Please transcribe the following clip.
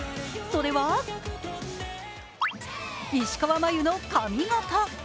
それは石川真佑の髪型。